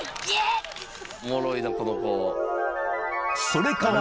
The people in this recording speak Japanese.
［それから］